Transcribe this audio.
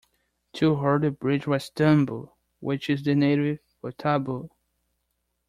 To her the bridge was tambo, which is the native for taboo.